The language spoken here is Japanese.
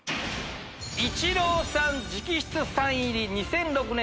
イチローさん直筆サイン入り２００６年